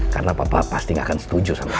karena papa pasti gak akan setuju sama